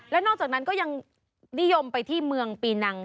และนอกจากนั้นก็ยังนิยมไปที่เมืองปีนัง